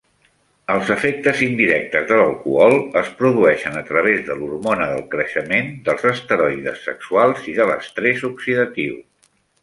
Els efectes indirectes de l'alcohol es produeixen a través de l'hormona del creixement, dels esteroides sexuals i de l'estrès oxidatiu.